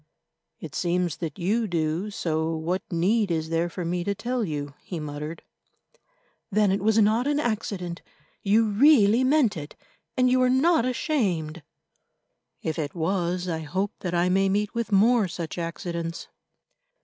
"It seems that you do, so what need is there for me to tell you?" he muttered. "Then it was not an accident; you really meant it, and you are not ashamed." "If it was, I hope that I may meet with more such accidents."